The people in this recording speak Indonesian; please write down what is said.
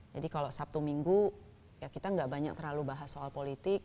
jadi kalau sabtu minggu ya kita enggak banyak terlalu bahas soal politik